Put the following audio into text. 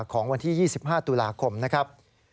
ของวันที่๒๕ตุลาคมนะครับ